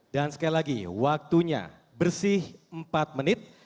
dan sekali lagi waktunya bersih empat menit